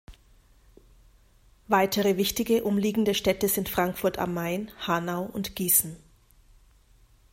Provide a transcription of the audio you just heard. Weitere wichtige, umliegende Städte sind Frankfurt am Main, Hanau und Gießen.